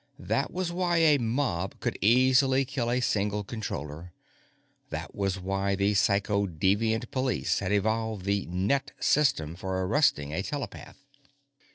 That was why a mob could easily kill a single Controller; that was why the Psychodeviant Police had evolved the "net" system for arresting a telepath.